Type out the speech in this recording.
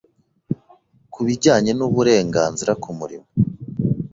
Ku bijyanye n’uburenganzira ku murimo,